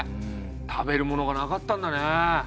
食べるものがなかったんだね。